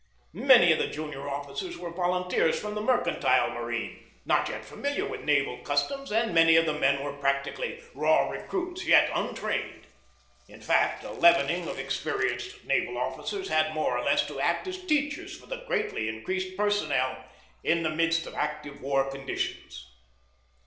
Many of the junior offi cers were volunteers from the mercantile marine, not yet familiar with naval customs, and many of the men were practically raw recruits yet untrained. In fact, a leavening of experienced naval officers had more or less to act as teachers for the greatly in creased personnel in the midst of active war condi tions.